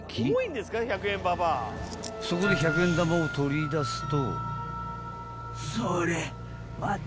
［そこで１００円玉を取り出すと］